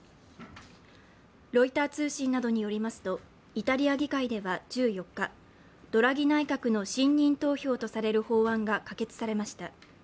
ロイター通信などによりますとイタリア議会では１４日、ドラギ内閣の信任投票とされる法案が可決されました。